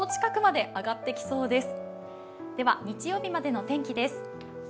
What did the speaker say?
では日曜日までの天気です。